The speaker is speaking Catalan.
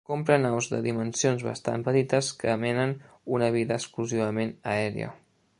Comprèn aus de dimensions bastant petites que menen una vida exclusivament aèria.